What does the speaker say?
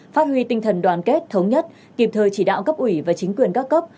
phát huy tinh thần đoàn kết thống nhất kịp thời chỉ đạo cấp ủy và chính quyền các cấp